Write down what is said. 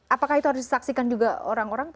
apakah itu harus disaksikan juga orang orang